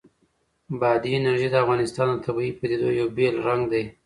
بادي انرژي د افغانستان د طبیعي پدیدو یو بېل رنګ دی.